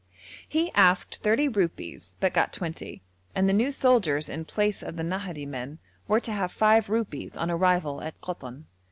He asked thirty rupees but got twenty, and the new soldiers in place of the Nahadi men were to have five rupees on arrival at Koton.